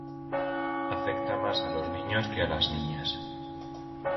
Afecta más a los niños que a las niñas.